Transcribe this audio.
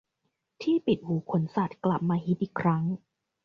ที่ปิดหูขนสัตว์กลับมาฮิตอีกครั้ง